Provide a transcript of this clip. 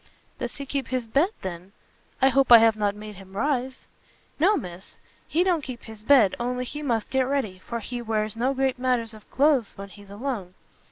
"Does he keep his bed, then? I hope I have not made him rise?" "No, Miss, he don't keep his bed, only he must get ready, for he wears no great matters of cloaths when he's alone.